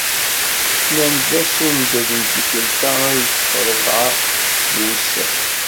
Nnan-d asunded n tikkelt-a ad yeṭṭef ṛebɛa n wussan.